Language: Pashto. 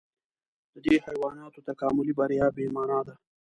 د دې حیواناتو تکاملي بریا بې مانا ده.